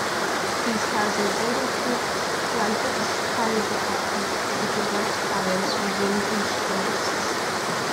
It has a well-equipped private fire department to prevent fires within its forests.